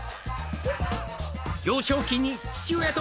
「幼少期に父親と」